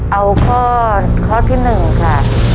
เอาข้อที่หนึ่งค่ะ